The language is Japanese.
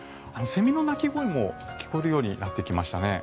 セミの鳴き声も聞こえるようになってきましたね。